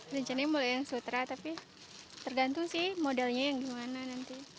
rencananya mulai yang sutra tapi tergantung sih modelnya yang gimana nanti